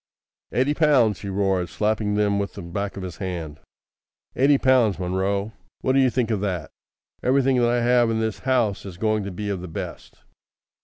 "Eighty pounds!" he roared, slapping them with the back of his hand. "Eighty pounds, Munro! What d'ye think of that? Everything that I have in this house is going to be of the best.